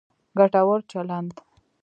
ګټور چلند